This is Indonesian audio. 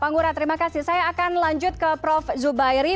pak ngurah terima kasih saya akan lanjut ke prof zubairi